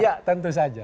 iya tentu saja